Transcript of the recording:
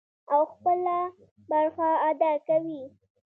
او خپله برخه ادا کوي.